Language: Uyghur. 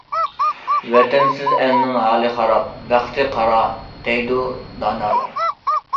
‹‹ ۋەتەنسىز ئەلنىڭ ھالى خاراب، بەختى قارا›› دەيدۇ دانالار.